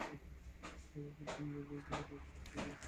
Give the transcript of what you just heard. রকিবউদ্দিন গোট পর্যন্ত নিসার আলিকে এগিয়ে দিলেন।